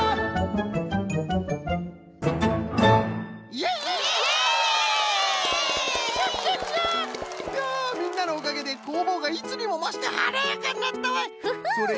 いやみんなのおかげでこうぼうがいつにもましてはなやかになったわい！